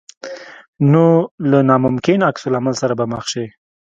نو له ناممکن عکس العمل سره به مخ شې.